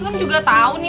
lu juga tau nih